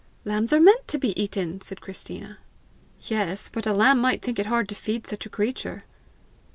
"Lambs are meant to be eaten!" said Christina. "Yes; but a lamb might think it hard to feed such a creature!"